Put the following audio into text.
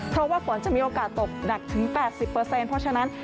เพราะว่าฝนจะมีโอกาสตกหนักถึง๘๐เพราะฉะนั้น